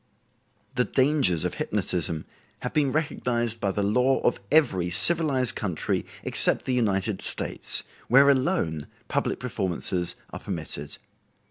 The dangers of hypnotism have been recognized by the law of every civilized country except the United States, where alone public performances are permitted.